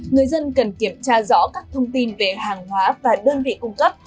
người dân cần kiểm tra rõ các thông tin về hàng hóa và đơn vị cung cấp